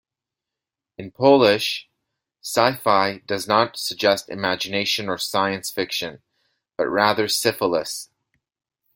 In Polish, "Syfy" does not suggest imagination or science fiction, but rather syphilis.